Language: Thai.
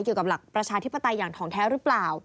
เกี่ยวกับหลักประชาธิปไตยอย่างทองแท้หรือเปล่า